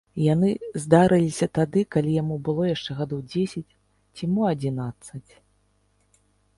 Яны здарыліся тады, калі яму было яшчэ гадоў дзесяць ці мо адзінаццаць.